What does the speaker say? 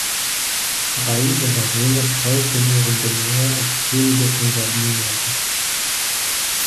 Drei ihrer Söhne folgten ihrem Gemahl als Könige von Sardinien.